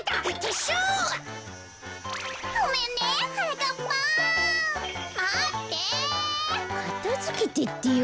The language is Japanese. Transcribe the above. かたづけてってよ